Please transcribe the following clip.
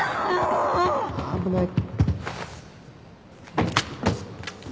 危ない。